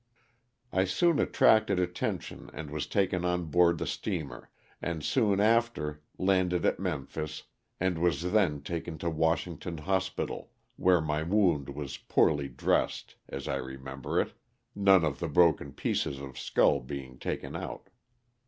I soon attracted attention and was taken on board the steamer, and soon after landed at Memphis and was then taken to Washington hospital, where my wound was poorly dressed, as I remember it, none of the broken pieces of skull being taken out.